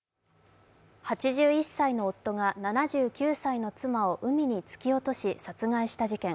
８１歳の夫が７９歳の妻を海に突き落とし殺害した事件。